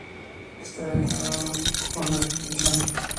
Lista de los galardonados con la distinción.